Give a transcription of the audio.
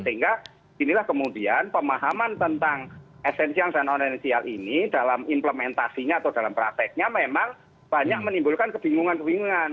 sehingga inilah kemudian pemahaman tentang esensial dan non esensial ini dalam implementasinya atau dalam prakteknya memang banyak menimbulkan kebingungan kebingungan